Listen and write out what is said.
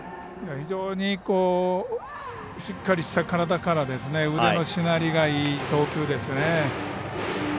非常にしっかりした体から腕のしなりがいい投球ですよね。